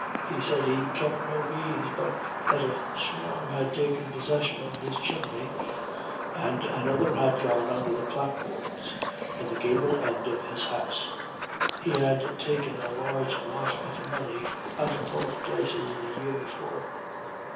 He said he kept no bees, but that a swarm had taken possession of his chimney, and another had gone under the clapboards in the gable end of his house. He had taken a large lot of honey out of both places the year before.